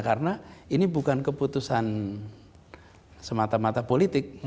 karena ini bukan keputusan semata mata politik